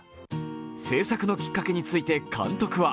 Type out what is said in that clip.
製作のきっかけについて監督は